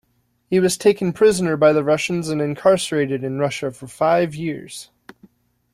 He was taken prisoner by the Russians and incarcerated in Russia for five years.